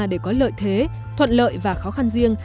để có lợi thế thuận lợi và khó khăn riêng